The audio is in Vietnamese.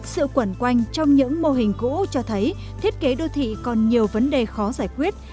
sự quẩn quanh trong những mô hình cũ cho thấy thiết kế đô thị còn nhiều vấn đề khó giải quyết